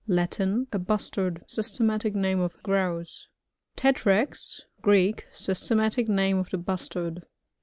— Latin. A Bustard. Sys. tematic name of Grouse* Tbtrax. — Greek. Systematic name of the Bustard.